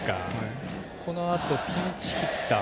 このあと、ピンチヒッター。